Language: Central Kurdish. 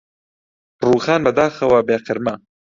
ڕووخان بەداخەوە بێ قرمە